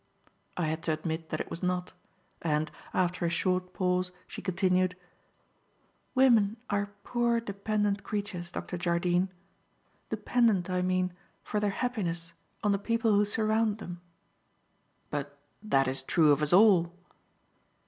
I had to admit that it was not; and, after a short pause, she continued: "Women are poor dependent creatures, Dr. Jardine; dependent, I mean, for their happiness on the people who surround them." "But that is true of us all."